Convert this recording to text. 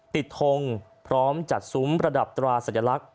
ทงพร้อมจัดซุ้มระดับตราสัญลักษณ